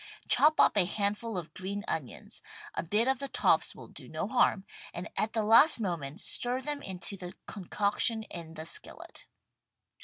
Chop up a handful of green onions, a bit of the tops will do no harm, and at the last moment stir them into the concoction in the skillet.